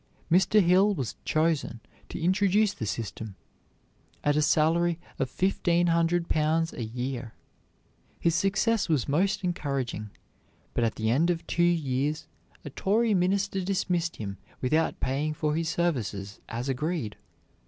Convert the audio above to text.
Mr. Hill was chosen to introduce the system, at a salary of fifteen hundred pounds a year. His success was most encouraging, but at the end of two years a Tory minister dismissed him without paying for his services, as agreed.